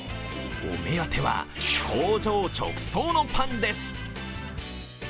お目当ては、工場直送のパンです。